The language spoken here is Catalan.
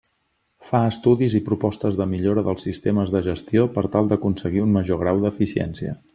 Fa estudis i propostes de millora dels sistemes de gestió per tal d'aconseguir un major grau d'eficiència.